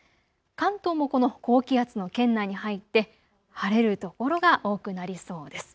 関東もこの高気圧の圏内に入って晴れる所が多くなりそうです。